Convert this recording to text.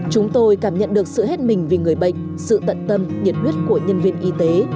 chúng tôi cảm nhận được sự hết mình vì người bệnh sự tận tâm nhiệt huyết của nhân viên y tế